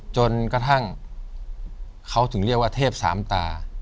จนกระทั่งเขาถึงเรียกว่าเทพสามตา